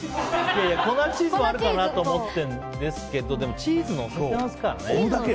粉チーズはあるかなと思ってるんですけどでもチーズも入ってますからね。